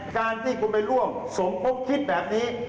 การที่คุณไปร่วมสมคบคิดแบบนี้